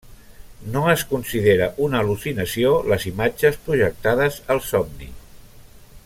No es considera una al·lucinació les imatges projectades al somni.